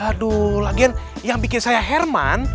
aduh lagian yang bikin saya herman